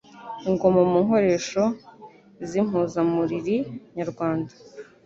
Ingoma mu nkoresho z'impuzamuriri nyarwanda